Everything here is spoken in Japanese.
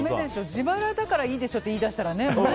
自腹だからいいでしょって言い出したらね